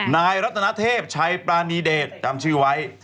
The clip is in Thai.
นายรัตนาเทพชัยปรานีเดชจำชื่อไว้